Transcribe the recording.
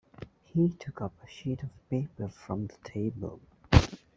He took up a sheet of paper from the table.